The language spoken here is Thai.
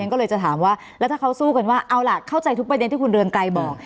ก็เลยจะถามว่าแล้วถ้าเขาสู้กันว่าเอาล่ะเข้าใจทุกประเด็นที่คุณเรืองไกรบอก